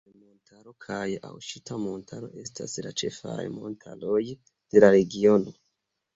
Boston-Montaro kaj Ŭaŝita-Montaro estas la ĉefaj montaroj de la regiono.